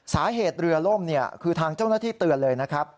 สาเหตุเรือล่มคือทางเจ้าหน้าที่เตือนเลยนะครับ